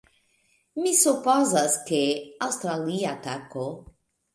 Mi supozas, ke... aŭstralia tako!